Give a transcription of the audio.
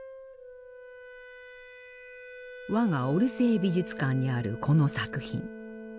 我がオルセー美術館にあるこの作品。